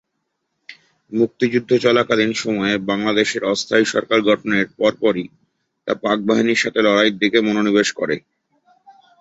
মুক্তিযুদ্ধকালীন সময়ে বাংলাদেশের অস্থায়ী সরকার গঠনের পরপরই তা পাকবাহিনীর সাথে লড়াইয়ের দিকে মনোনিবেশ করে।